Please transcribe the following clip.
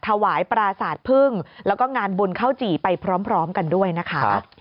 ถวายปราสาทพึ่งแล้วก็งานบุญข้าวจี่ไปพร้อมกันด้วยนะคะ